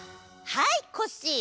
はいコッシー！